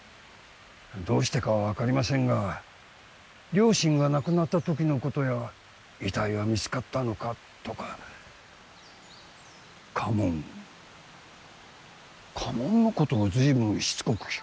どうしてかは分かりませんが両親が亡くなった時のことや遺体は見つかったのか？とか家紋家紋のことをずいぶんしつこく聞かれましてね